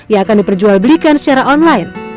yang akan diperjual belikan secara online